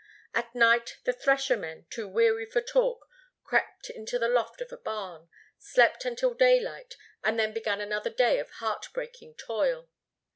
At night the threshermen, too weary for talk, crept into the loft of a barn, slept until daylight and then began another day of heartbreaking toil.